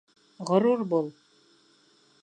Ғорур бул!